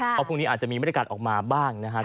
เพราะพรุ่งนี้อาจจะมีบริการออกมาบ้างนะครับ